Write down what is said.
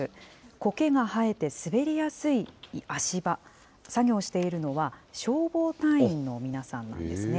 こけが生えて滑りやすい足場。作業しているのは、消防隊員の皆さんなんですね。